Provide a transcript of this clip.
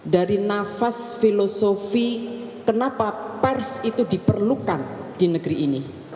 dari nafas filosofi kenapa pers itu diperlukan di negeri ini